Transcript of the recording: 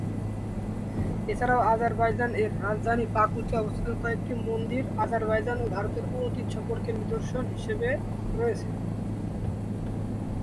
এছাড়াও আজারবাইজান এর রাজধানী বাকুতে অবস্থিত কয়েকটি হিন্দু মন্দির আজারবাইজান ও ভারতের অতীত সম্পর্কের নিদর্শন হিসেবে রয়েছে।